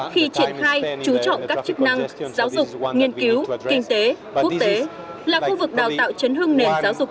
khi triển khai trú trọng các chức năng giáo dục nghiên cứu kinh tế quốc tế là khu vực đào tạo chấn hương nền giáo dục